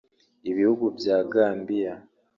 Ibihugu bya Gambiya